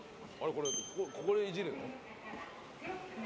これここでいじるの？